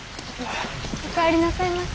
お帰りなさいませ。